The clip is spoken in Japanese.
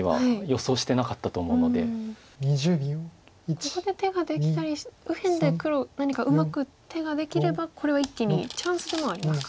ここで手ができたり右辺で黒何かうまく手ができればこれは一気にチャンスでもありますか。